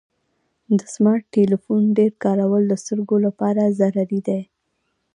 د سمارټ ټلیفون ډیر کارول د سترګو لپاره ضرري دی.